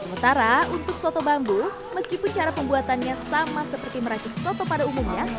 sementara untuk soto bambu meskipun cara pembuatannya sama seperti meracik soto pada umumnya